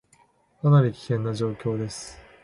かなり危険な状況です